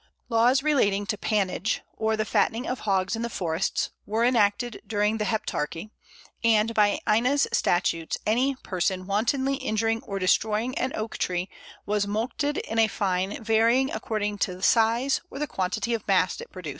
Laws relating to pannage, or the fattening of hogs in the forest, were enacted during the Heptarchy; and by Ina's statutes, any person wantonly injuring or destroying an Oak tree was mulcted in a fine varying according to size, or the quantity of mast it produced."